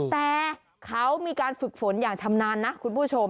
แต่เขามีการฝึกฝนอย่างชำนาญนะคุณผู้ชม